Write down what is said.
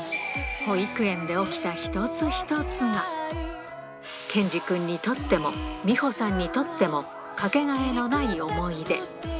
保育園で起きた一つ一つが、剣侍くんにとっても、美保さんにとっても、掛けがえのない思い出。